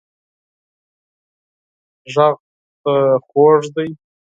غږ دې خوږ دی